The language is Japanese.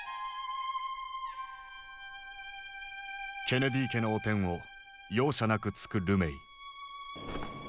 ケネディ家の汚点を容赦なく突くルメイ。